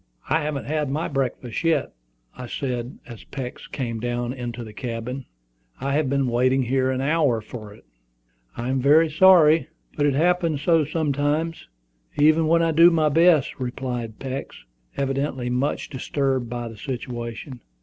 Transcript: "I haven't had my breakfast yet," I said, as Peeks came down into the cabin. "I have been waiting here half an hour for it." "I am very sorry, but it happens so sometimes, even when I do my best," replied Peeks, evidently much disturbed by the situation.